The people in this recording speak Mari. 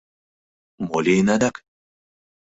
Мо лийын адак?